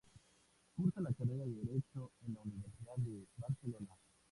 Cursa la carrera de Derecho en la Universidad de Barcelona.